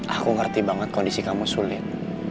aku ngerti banget kondisi kamu sulit